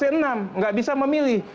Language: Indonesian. tidak bisa memilih